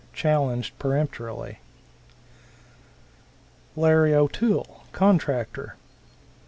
Challenged peremptorily. Larry O'Toole, contractor.